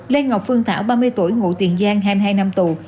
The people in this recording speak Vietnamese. lê ngọc phương thảo ba mươi tuổi ngụ tiền giang hai mươi hai năm tù